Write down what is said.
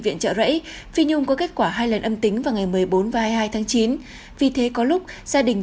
viện trợ rẫy phi nhung có kết quả hai lần âm tính vào ngày một mươi bốn và hai mươi hai tháng chín vì thế có lúc gia đình